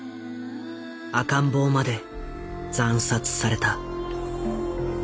赤ん坊まで惨殺された。